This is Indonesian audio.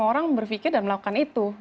orang berpikir dan melakukan itu